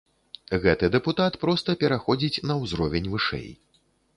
Гэты дэпутат проста пераходзіць на ўзровень вышэй.